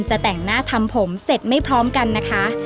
จะแต่งหน้าทำผมเสร็จไม่พร้อมกันนะคะ